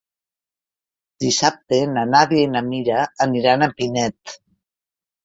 Dissabte na Nàdia i na Mira aniran a Pinet.